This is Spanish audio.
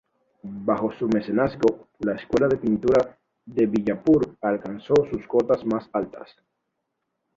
Bajo su mecenazgo, la escuela de pintura de Bijapur alcanzó sus cotas más altas.